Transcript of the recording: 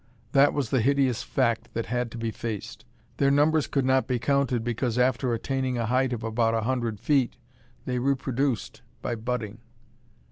That was the hideous fact that had to be faced. Their numbers could not be counted because, after attaining a height of about a hundred feet, they reproduced by budding!